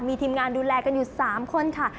มีทีมงานดูแลกันอยู่๓คนค่ะ